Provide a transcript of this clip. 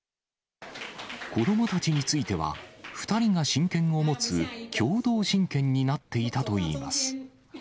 子どもたちについては、２人が親権を持つ、共同親権になっていたといいます。